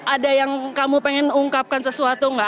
ada yang kamu pengen ungkapkan sesuatu enggak